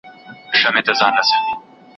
زه به دومره دعاګوی درته پیدا کړم